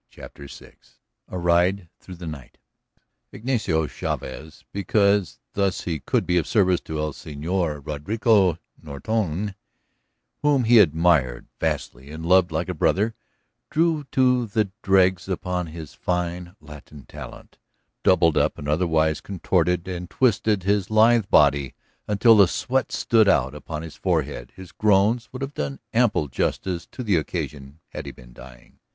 CHAPTER VI A RIDE THROUGH THE NIGHT Ignacio Chavez, because thus he could be of service to el señor Roderico Nortone whom he admired vastly and loved like a brother, drew to the dregs upon his fine Latin talent, doubled up and otherwise contorted and twisted his lithe body until the sweat stood out upon his forehead. His groans would have done ample justice to the occasion had he been dying.